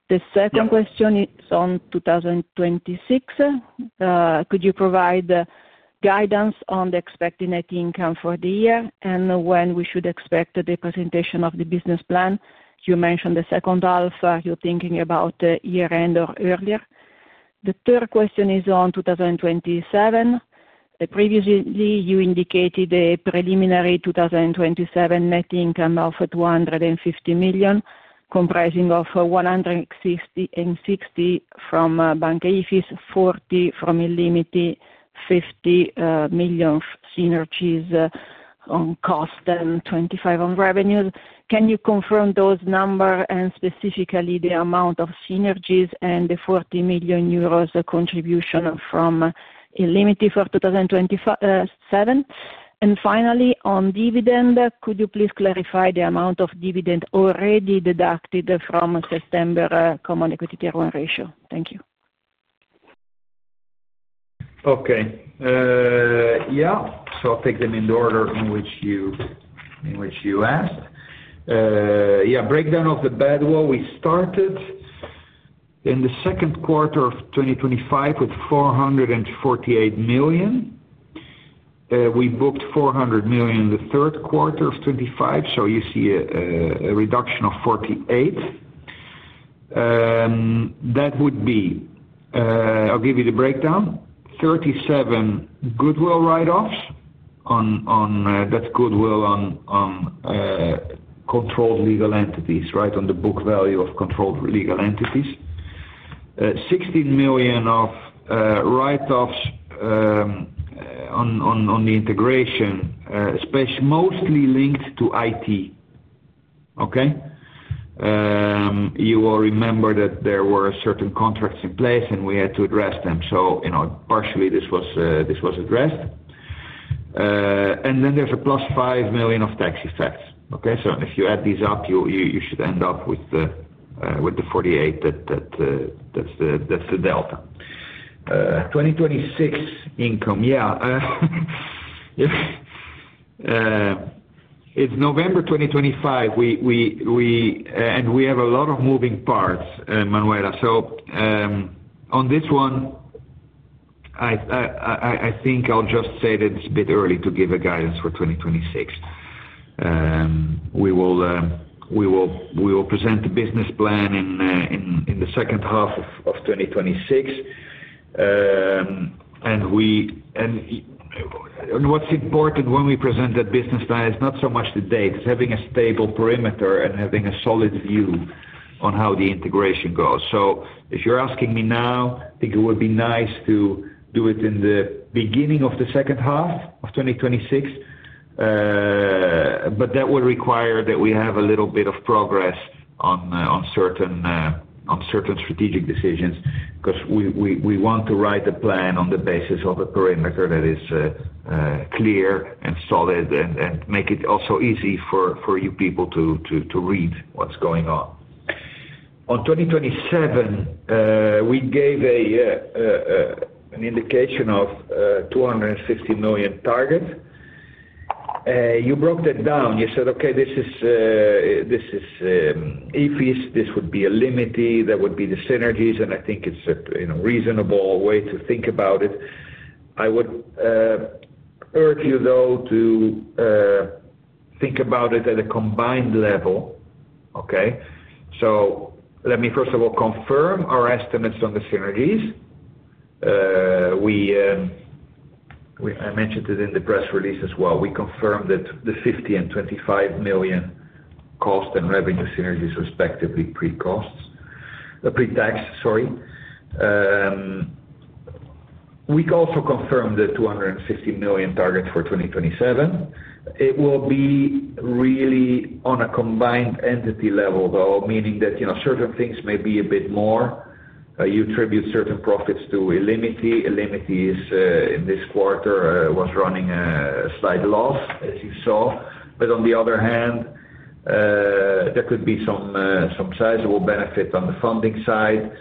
The second question is on 2026. Could you provide guidance on the expected net income for the year and when we should expect the presentation of the business plan? You mentioned the second half, you are thinking about year-end or earlier. The third question is on 2027. Previously, you indicated a preliminary 2027 net income of 250 million, comprising of 160 million from Banca IFIS, 40 million from Illimity, 50 million synergies on cost, and 25 million on revenues. Can you confirm those numbers and specifically the amount of synergies and the 40 million euros contribution from Illimity for 2027? Finally, on dividend, could you please clarify the amount of dividend already deducted from September common equity-to-earnings ratio? Thank you. Okay. Yeah. I'll take them in the order in which you asked. Yeah. Breakdown of the Badwill, we started in the second quarter of 2025 with 448 million. We booked 400 million in the third quarter of 2025, so you see a reduction of 48 million. That would be, I'll give you the breakdown. 37 million goodwill write-offs. That's goodwill on controlled legal entities, right, on the book value of controlled legal entities. 16 million of write-offs on the integration, mostly linked to IT. Okay? You will remember that there were certain contracts in place, and we had to address them. Partially, this was addressed. There is a plus 5 million of tax effects. Okay? If you add these up, you should end up with the 48 million. That is the delta. 2026 income, yeah. It is November 2025, and we have a lot of moving parts, Manuela. On this one, I think I will just say that it is a bit early to give a guidance for 2026. We will present the business plan in the second half of 2026. What is important when we present that business plan is not so much the date, it is having a stable perimeter and having a solid view on how the integration goes. If you're asking me now, I think it would be nice to do it in the beginning of the second half of 2026, but that would require that we have a little bit of progress on certain strategic decisions because we want to write the plan on the basis of a perimeter that is clear and solid and make it also easy for you people to read what's going on. On 2027, we gave an indication of a 250 million target. You broke that down. You said, "Okay, this is IFIS, this would be Illimity, that would be the synergies, and I think it's a reasonable way to think about it." I would urge you, though, to think about it at a combined level. Okay? Let me, first of all, confirm our estimates on the synergies. I mentioned it in the press release as well. We confirmed that the 50 million and 25 million cost and revenue synergies, respectively, pre-tax, sorry. We also confirmed the 250 million target for 2027. It will be really on a combined entity level, though, meaning that certain things may be a bit more. You attribute certain profits to Illimity. Illimity in this quarter was running a slight loss, as you saw. On the other hand, there could be some sizable benefit on the funding side.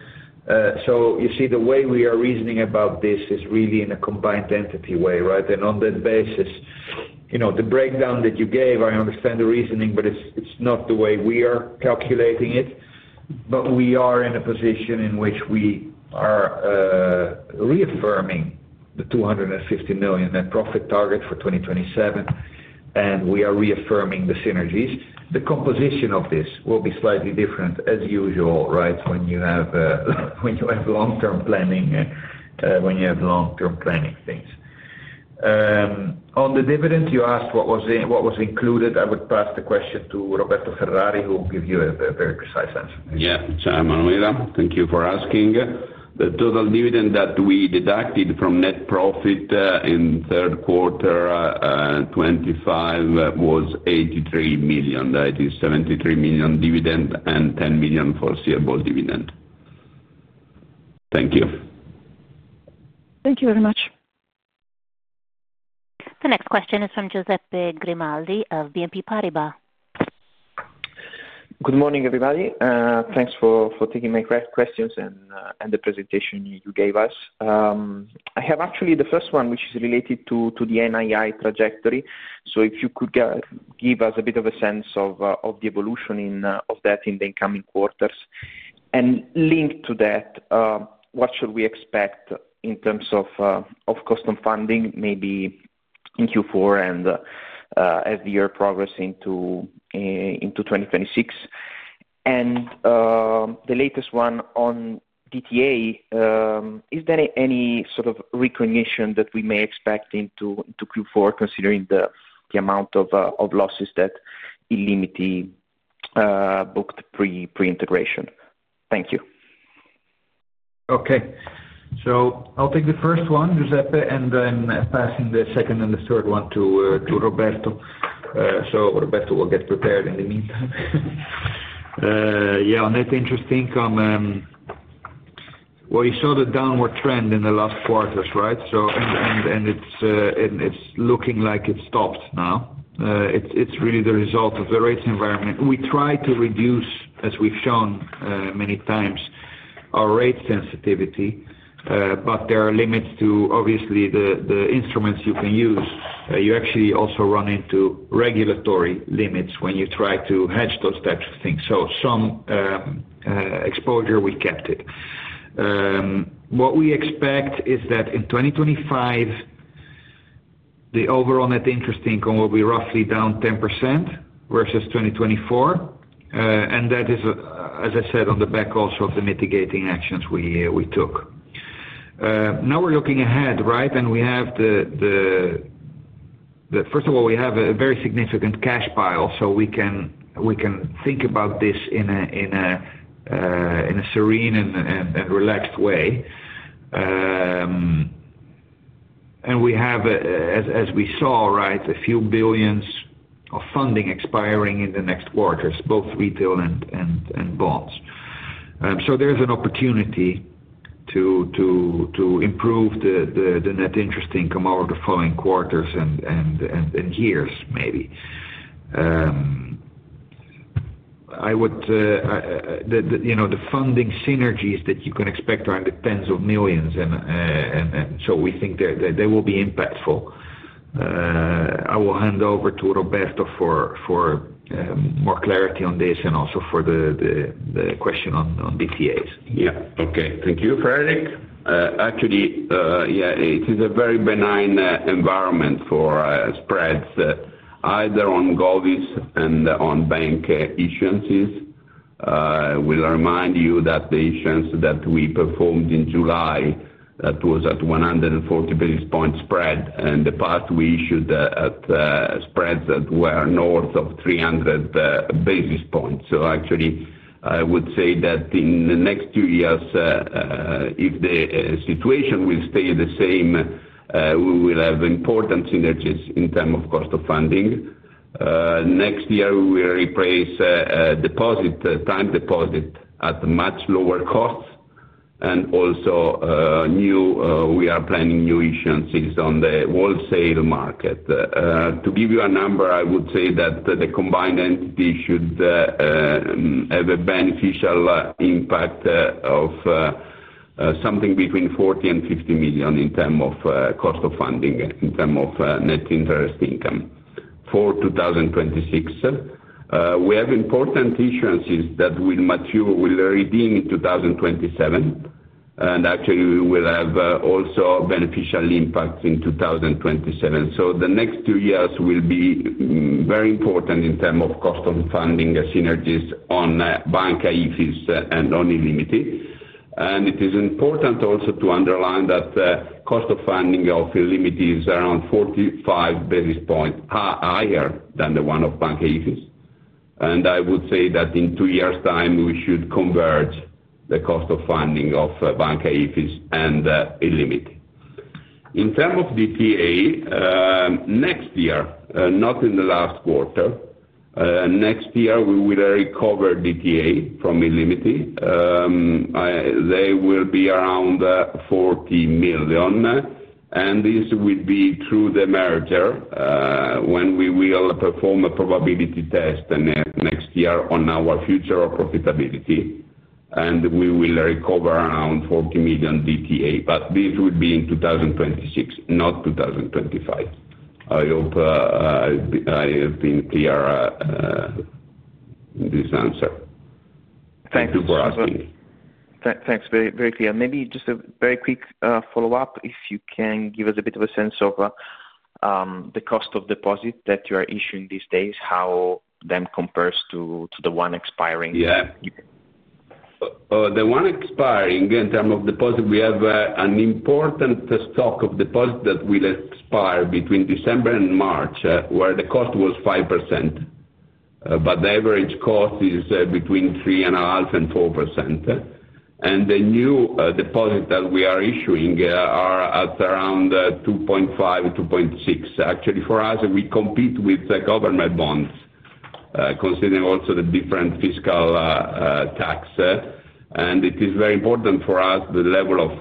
You see the way we are reasoning about this is really in a combined entity way, right? On that basis, the breakdown that you gave, I understand the reasoning, but it is not the way we are calculating it. We are in a position in which we are reaffirming the 250 million net profit target for 2027, and we are reaffirming the synergies. The composition of this will be slightly different, as usual, right, when you have long-term planning, when you have long-term planning things. On the dividend, you asked what was included. I would pass the question to Roberto Ferrari, who will give you a very precise answer. Yeah. Hi, Manuela. Thank you for asking. The total dividend that we deducted from net profit in third quarter 2025 was 83 million. That is 73 million dividend and 10 million foreseeable dividend. Thank you. Thank you very much. The next question is from Giuseppe Grimaldi of BNP Paribas. Good morning, everybody. Thanks for taking my questions and the presentation you gave us. I have actually the first one, which is related to the NII trajectory. If you could give us a bit of a sense of the evolution of that in the incoming quarters. Linked to that, what should we expect in terms of custom funding, maybe in Q4 and as the year progresses into 2026? The latest one on DTA, is there any sort of recognition that we may expect into Q4, considering the amount of losses that Illimity booked pre-integration? Thank you. Okay. I'll take the first one, Giuseppe, and then pass the second and the third one to Roberto. Roberto will get prepared in the meantime. On net interest income, you saw the downward trend in the last quarters, right? It is looking like it stopped now. It is really the result of the rates environment. We try to reduce, as we have shown many times, our rate sensitivity, but there are limits to, obviously, the instruments you can use. You actually also run into regulatory limits when you try to hedge those types of things. Some exposure, we kept it. What we expect is that in 2025, the overall net interest income will be roughly down 10% versus 2024. That is, as I said, on the back also of the mitigating actions we took. Now we are looking ahead, right? We have, first of all, a very significant cash pile, so we can think about this in a serene and relaxed way. We have, as we saw, a few billions of funding expiring in the next quarters, both retail and bonds. There is an opportunity to improve the net interest income over the following quarters and years, maybe. The funding synergies that you can expect are in the tens of millions, and we think they will be impactful. I will hand over to Roberto for more clarity on this and also for the question on DTAs. Yeah. Okay. Thank you, Frederik. Actually, yeah, it is a very benign environment for spreads, either on gold and on bank issuances. We'll remind you that the issuance that we performed in July, that was at 140 basis points spread, and the part we issued at spreads that were north of 300 basis points. Actually, I would say that in the next two years, if the situation will stay the same, we will have important synergies in terms of cost of funding. Next year, we will replace time deposits at much lower costs. Also, we are planning new issuances on the wholesale market. To give you a number, I would say that the combined entity should have a beneficial impact of something between 40 million and 50 million in terms of cost of funding, in terms of net interest income for 2026. We have important issuances that will redeem in 2027, and actually, we will have also beneficial impacts in 2027. The next two years will be very important in terms of cost of funding synergies on Banca IFIS and on Illimity. It is important also to underline that the cost of funding of Illimity is around 45 basis points higher than the one of Banca IFIS. I would say that in two years' time, we should converge the cost of funding of Banca IFIS and Illimity. In terms of DTA, next year, not in the last quarter, next year, we will recover DTA from Illimity. They will be around 40 million, and this will be through the merger when we will perform a probability test next year on our future or profitability. We will recover around 40 million DTA, but this would be in 2026, not 2025. I hope I have been clear in this answer. Thank you for asking. Thanks. Very clear. Maybe just a very quick follow-up. If you can give us a bit of a sense of the cost of deposit that you are issuing these days, how that compares to the one expiring. Yeah. The one expiring, in terms of deposit, we have an important stock of deposit that will expire between December and March, where the cost was 5%, but the average cost is between 3.5% and 4%. And the new deposit that we are issuing is at around 2.5%-2.6%. Actually, for us, we compete with government bonds, considering also the different fiscal tax. And it is very important for us the level of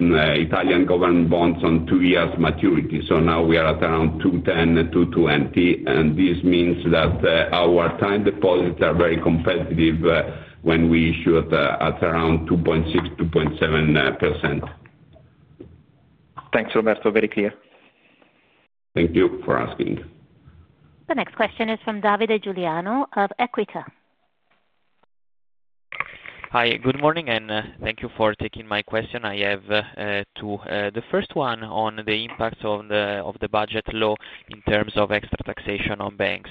Italian government bonds on two years' maturity. Now we are at around 2.10-2.20, and this means that our time deposits are very competitive when we issue at around 2.6-2.7%. Thanks, Roberto. Very clear. Thank you for asking. The next question is from Davide Giuliano of Equita. Hi. Good morning, and thank you for taking my question. I have two. The first one on the impact of the budget law in terms of extra taxation on banks.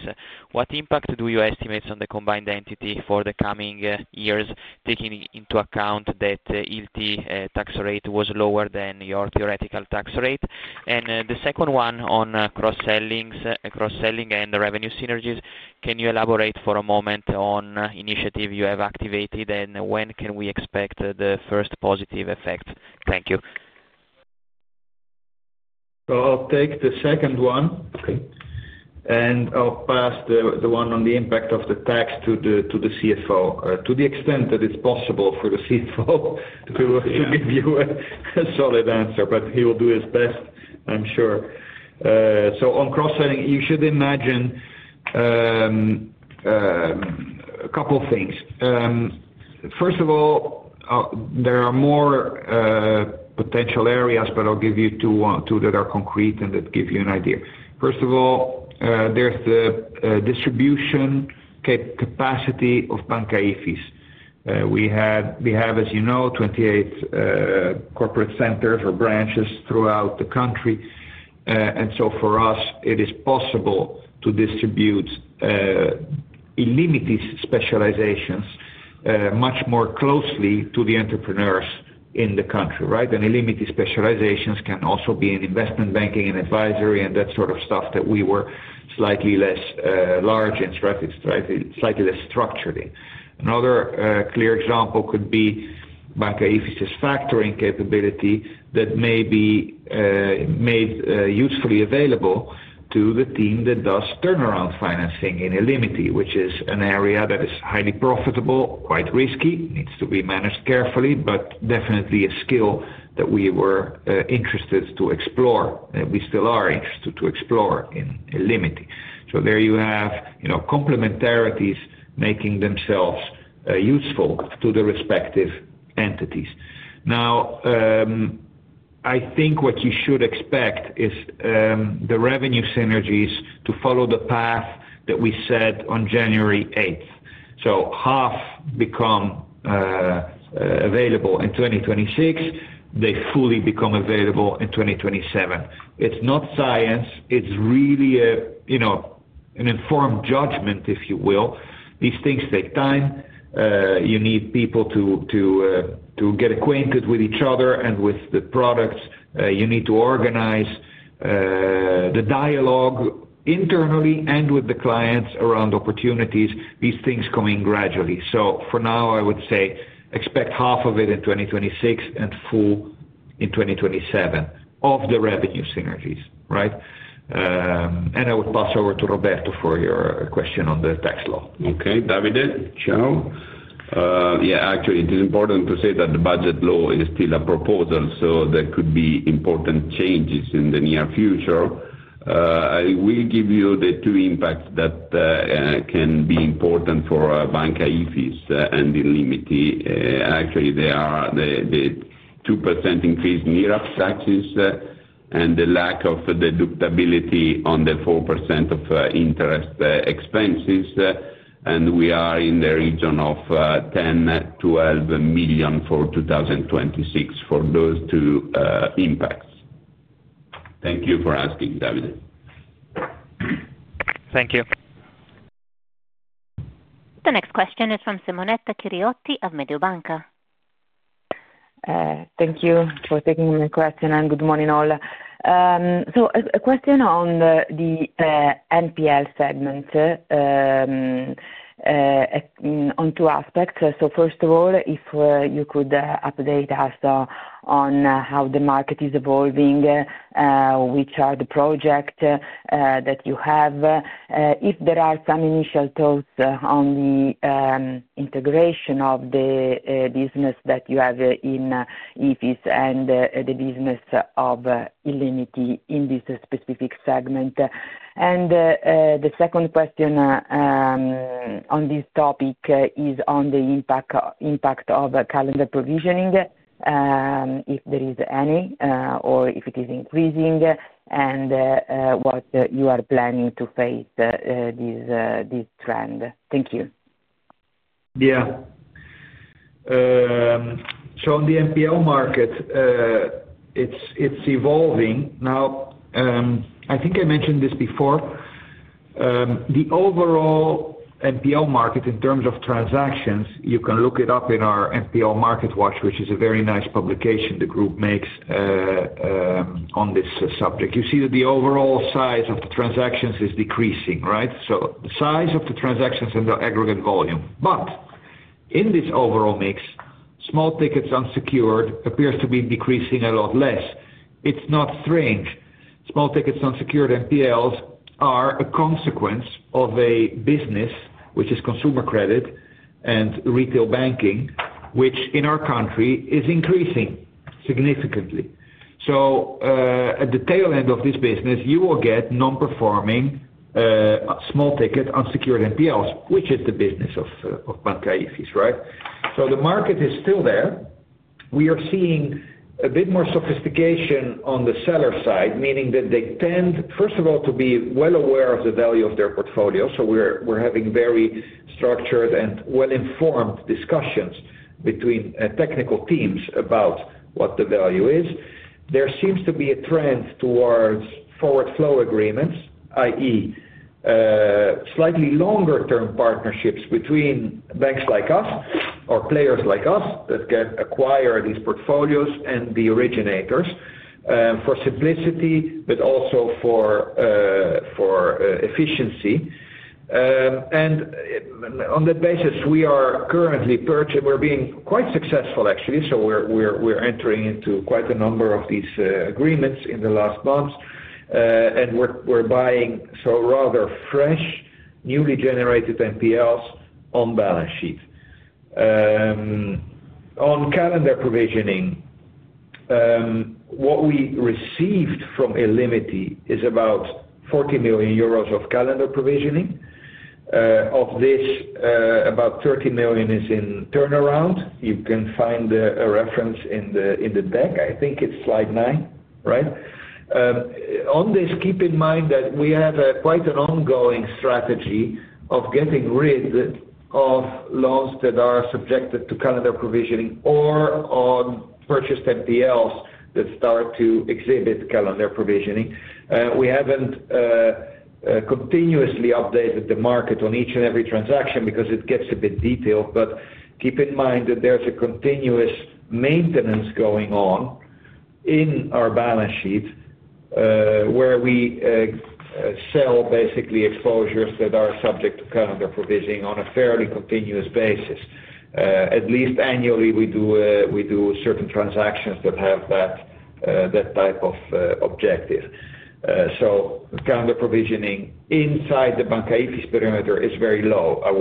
What impact do you estimate on the combined entity for the coming years, taking into account that the Illimity tax rate was lower than your theoretical tax rate? The second one on cross-selling and revenue synergies. Can you elaborate for a moment on the initiative you have activated, and when can we expect the first positive effect? Thank you. I'll take the second one. I will pass the one on the impact of the tax to the CFO, to the extent that it is possible for the CFO to give you a solid answer, but he will do his best, I am sure. On cross-selling, you should imagine a couple of things. First of all, there are more potential areas, but I will give you two that are concrete and that give you an idea. First of all, there is the distribution capacity of Banca IFIS. We have, as you know, 28 corporate centers or branches throughout the country. For us, it is possible to distribute Illimity specializations much more closely to the entrepreneurs in the country, right? Illimity specializations can also be in investment banking and advisory and that sort of stuff that we were slightly less large in, slightly less structured in. Another clear example could be Banca IFIS' factoring capability that may be made usefully available to the team that does turnaround financing in Illimity, which is an area that is highly profitable, quite risky, needs to be managed carefully, but definitely a skill that we were interested to explore, and we still are interested to explore in Illimity. There you have complementarities making themselves useful to the respective entities. Now, I think what you should expect is the revenue synergies to follow the path that we set on January 8th. Half become available in 2026, they fully become available in 2027. It's not science. It's really an informed judgment, if you will. These things take time. You need people to get acquainted with each other and with the products. You need to organize the dialogue internally and with the clients around opportunities. These things come in gradually. For now, I would say expect half of it in 2026 and full in 2027 of the revenue synergies, right? I would pass over to Roberto for your question on the tax law. Okay. Davide. Ciao. Yeah. Actually, it is important to say that the budget law is still a proposal, so there could be important changes in the near future. I will give you the two impacts that can be important for Banca IFIS and Illimity. Actually, they are the 2% increase in IRAP taxes and the lack of deductibility on the 4% of interest expenses. We are in the region of 10 million-12 million for 2026 for those two impacts. Thank you for asking, Davide. Thank you. The next question is from Simonetta Chiriotti of Mediobanca. Thank you for taking my question, and good morning, all. A question on the NPL segment on two aspects. First of all, if you could update us on how the market is evolving, which are the projects that you have, if there are some initial thoughts on the integration of the business that you have in IFIS and the business of Illimity in this specific segment. The second question on this topic is on the impact of calendar provisioning, if there is any, or if it is increasing, and what you are planning to face this trend. Thank you. Yeah. On the NPL market, it is evolving. I think I mentioned this before. The overall NPL market in terms of transactions, you can look it up in our NPL Market Watch, which is a very nice publication the group makes on this subject. You see that the overall size of the transactions is decreasing, right? The size of the transactions and the aggregate volume. In this overall mix, small tickets unsecured appears to be decreasing a lot less. It is not strange. Small tickets unsecured NPLs are a consequence of a business, which is consumer credit and retail banking, which in our country is increasing significantly. At the tail end of this business, you will get non-performing small ticket unsecured NPLs, which is the business of Banca IFIS, right? The market is still there. We are seeing a bit more sophistication on the seller side, meaning that they tend, first of all, to be well aware of the value of their portfolio. We are having very structured and well-informed discussions between technical teams about what the value is. There seems to be a trend towards forward flow agreements, i.e., slightly longer-term partnerships between banks like us or players like us that can acquire these portfolios and the originators for simplicity, but also for efficiency. On that basis, we are currently purchasing, we're being quite successful, actually. We are entering into quite a number of these agreements in the last months, and we're buying some rather fresh, newly generated NPLs on balance sheet. On calendar provisioning, what we received from Illimity is about 40 million euros of calendar provisioning. Of this, about 30 million is in turnaround. You can find a reference in the deck. I think it's slide nine, right? On this, keep in mind that we have quite an ongoing strategy of getting rid of loans that are subjected to calendar provisioning or on purchased NPLs that start to exhibit calendar provisioning. We have not continuously updated the market on each and every transaction because it gets a bit detailed, but keep in mind that there is a continuous maintenance going on in our balance sheet where we sell basically exposures that are subject to calendar provisioning on a fairly continuous basis. At least annually, we do certain transactions that have that type of objective. Calendar provisioning inside the Banca IFIS perimeter is very low. I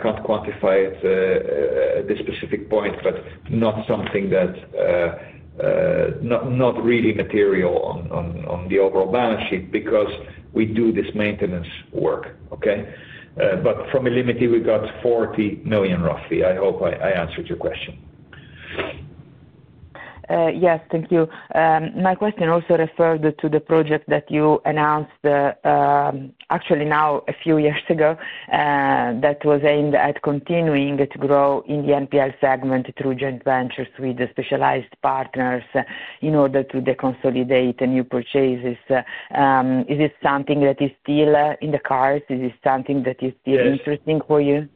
cannot quantify the specific point, but not something that is really material on the overall balance sheet because we do this maintenance work, okay? From Illimity, we got 40 million, roughly. I hope I answered your question. Yes. Thank you. My question also referred to the project that you announced actually now a few years ago that was aimed at continuing to grow in the NPL segment through joint ventures with specialized partners in order to consolidate new purchases. Is it something that is still in the cards? Is it something that is still interesting for you?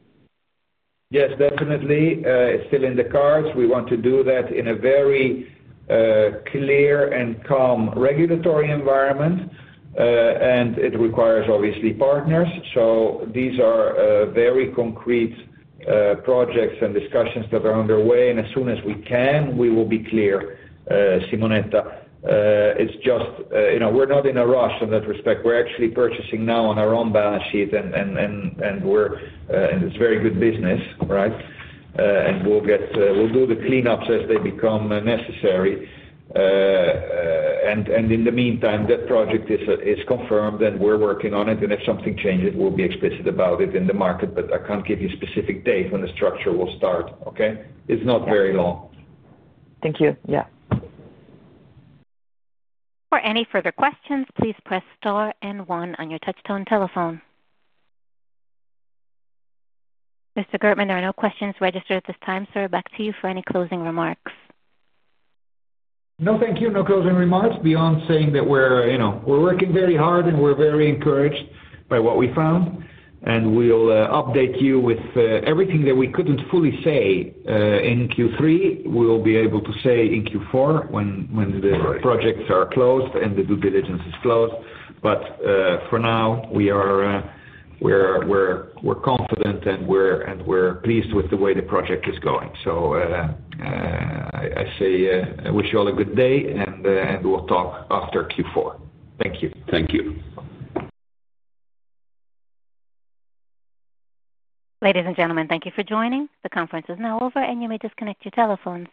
Yes, definitely. It's still in the cards. We want to do that in a very clear and calm regulatory environment, and it requires, obviously, partners. These are very concrete projects and discussions that are underway, and as soon as we can, we will be clear, Simonetta. It's just we're not in a rush in that respect. We're actually purchasing now on our own balance sheet, and it's very good business, right? We'll do the cleanups as they become necessary. In the meantime, that project is confirmed, and we're working on it, and if something changes, we'll be explicit about it in the market, but I can't give you a specific date when the structure will start, okay? It's not very long. Thank you. Yeah. For any further questions, please press star and one on your touch-tone telephone. Mr. Geertman, there are no questions registered at this time, so we're back to you for any closing remarks. No, thank you. No closing remarks beyond saying that we're working very hard and we're very encouraged by what we found, and we'll update you with everything that we couldn't fully say in Q3. We'll be able to say in Q4 when the projects are closed and the due diligence is closed. For now, we are confident and we're pleased with the way the project is going. I wish you all a good day, and we'll talk after Q4. Thank you. Thank you. Ladies and gentlemen, thank you for joining. The conference is now over, and you may disconnect your telephones.